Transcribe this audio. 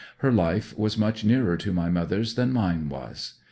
Her life was much nearer to my mother's than mine was.